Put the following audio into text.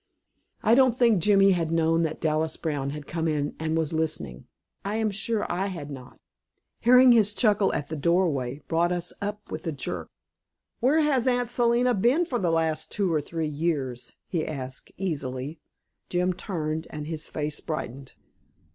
I don't think Jimmy had known that Dallas Brown had come in and was listening. I am sure I had not. Hearing his chuckle at the doorway brought us up with a jerk. "Where has Aunt Selina been for the last two or three years?" he asked easily. Jim turned, and his face brightened.